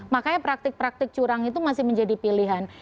makanya praktik praktik curang itu masih menjadi pilihan